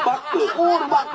「オールバック」。